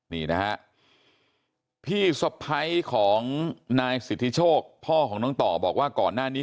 นี่นะฮะพี่สะพ้ายของนายสิทธิโชคพ่อของน้องต่อบอกว่าก่อนหน้านี้